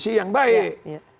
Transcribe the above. polisi yang baik